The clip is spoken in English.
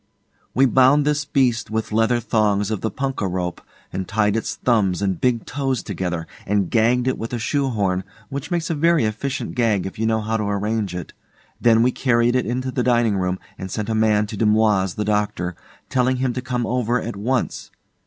We bound this beast with leather thongs of the punkah rope, and tied its thumbs and big toes together, and gagged it with a shoe horn, which makes a very efficient gag if you know how to arrange it. Then we carried it into the dining room, and sent a man to Dumoise, the doctor, telling him to come over at once.